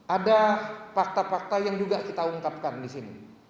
ada fakta fakta yang juga kita ungkapkan di sini